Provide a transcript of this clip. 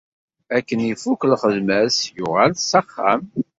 Akken ifukk lxedma-s yuɣal s axxam.